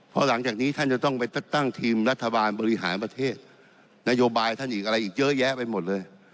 เพราะหลังจากนี้ท่านจะต้องไปตั้งทีมรัฐบาลบริหารประเทศนโยบายท่านอีกอะไรอีกเยอะแยะไปหมดเลย